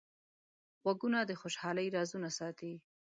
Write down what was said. غوږونه د خوشحالۍ رازونه ساتي